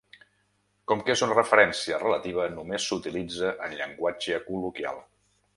Com que és una referència relativa, només s'utilitza en llenguatge col·loquial.